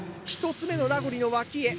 １つ目のラゴリの脇へ。